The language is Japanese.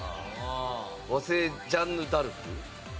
和製ジャンヌ・ダルク？